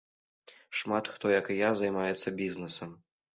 Шмат хто, як і я, займаецца бізнэсам.